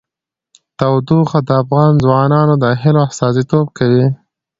تودوخه د افغان ځوانانو د هیلو استازیتوب کوي.